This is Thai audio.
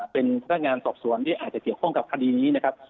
เป็นท่านงานศัพท์สวนที่เกี่ยวข้องกับคดีนี้นะครับ